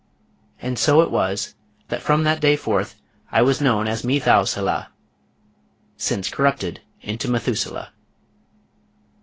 And so it was that from that day forth I was known as Methouselah, since corrupted into Methuselah.